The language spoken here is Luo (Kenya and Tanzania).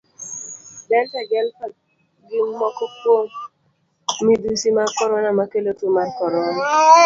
Delta gi Alpha gim moko kum midhusi mag korona makelo tuo mar korona.